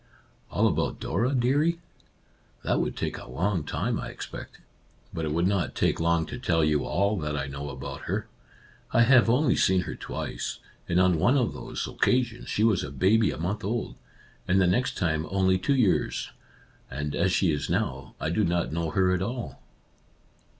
" All about Dora, dearie ? That would take a long time, I expect. But it would not take long to tell you all that I know about her. I have only seen her twice, and on one of those occasions she was a baby a month old, and the next time only two years, — and as she is now, I do not know her at all."